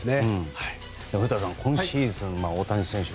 古田さん、今シーズン大谷選手